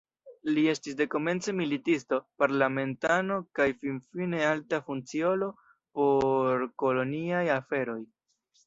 Li estis dekomence militisto, parlamentano kaj finfine alta funkciulo por koloniaj aferoj.